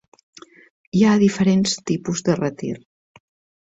Hi ha diferents tipus de retir.